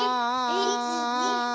１２！